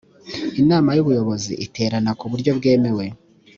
inama y ubuyobozi iterana ku buryo bwemewe